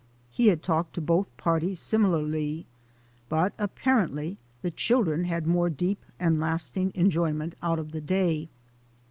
He had talked to both parties similarly, but apparently the children had more deep and lasting enjoyment out of the day.